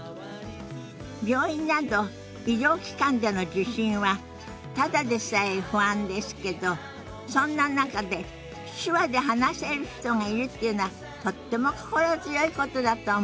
病院など医療機関での受診はただでさえ不安ですけどそんな中で手話で話せる人がいるっていうのはとっても心強いことだと思います。